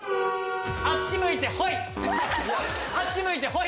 あっち向いてホイ。